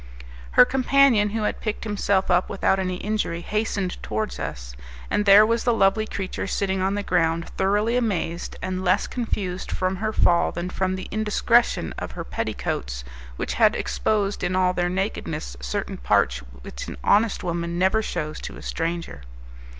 Her companion, who had picked himself up without any injury, hastened towards us, and there was the lovely creature sitting on the ground thoroughly amazed, and less confused from her fall than from the indiscretion of her petticoats, which had exposed in all their nakedness certain parts which an honest woman never shews to a stranger.